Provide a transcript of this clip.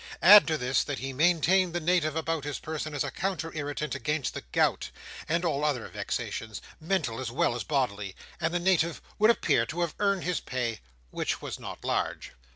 Add to this, that he maintained the Native about his person as a counter irritant against the gout, and all other vexations, mental as well as bodily; and the Native would appear to have earned his pay—which was not large.